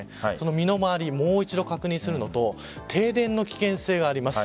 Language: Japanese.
水回り、もう一度確認するのと停電の危険性があります。